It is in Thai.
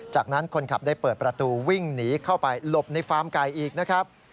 จากนั้นคนขับได้เปิดประตูวิ่งหนีเข้าไปหลบในฟาร์มไก่อีกนะครับ